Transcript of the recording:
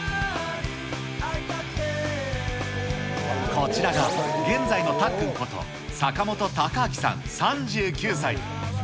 こちらが、現在のたっくんこと、坂本峰照さん３９歳。